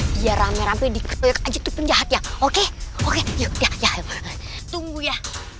biar rame rame diketoyak aja tuh penjahat ya oke oke yuk ya tunggu ya